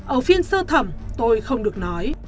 ở phiên sơ thẩm tôi không được nói